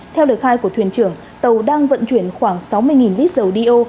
theo lời khai của thuyền trưởng tàu đang vận chuyển khoảng sáu mươi lít dầu đeo